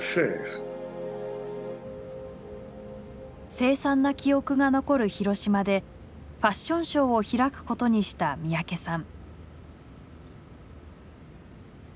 凄惨な記憶が残る広島でファッションショーを開くことにした三宅さん。